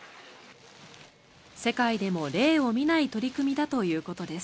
世界でも例を見ない取り組みだということです。